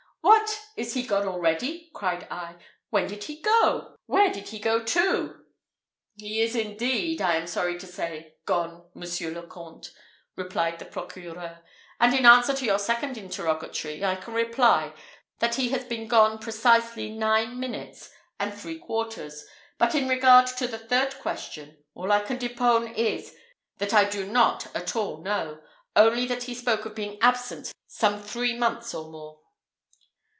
"What! is he gone already?" cried I. "When did he go? where did he go to?" "He is indeed, I am sorry to say, gone, Monsieur le Comte," replied the procureur; "and in answer to your second interrogatory, I can reply, that he has been gone precisely nine minutes and three quarters; but in regard to the third question, all I can depone is, that I do not at all know only that he spoke of being absent some three months or more."